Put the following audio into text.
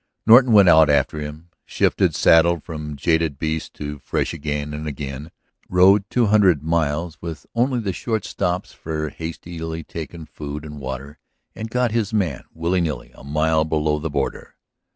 Norton went out after him, shifted saddle from jaded beast to fresh again and again, rode two hundred miles with only the short stops for hastily taken food and water and got his man willy nilly a mile below the border.